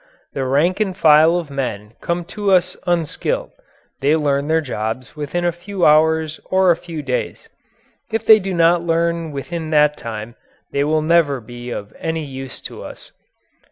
The rank and file of men come to us unskilled; they learn their jobs within a few hours or a few days. If they do not learn within that time they will never be of any use to us.